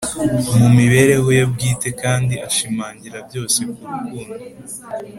mu mibereho ye bwite kandi ashimangira byose ku rukundo,